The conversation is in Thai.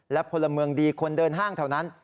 และพลเมืองดีคนเดินห้างแถวนั้น